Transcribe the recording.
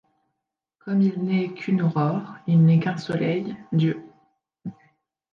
Comme il n’est qu’une aurore, il n’est qu’un soleil, Dieu